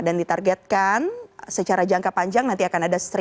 dan ditargetkan secara jangka panjang nanti akan ada